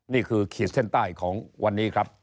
นี่คือขีดเส้นใต้ของวันนี้ครับ